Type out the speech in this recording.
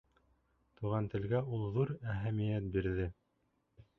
Туған телгә ул ҙур әһәмиәт бирҙе.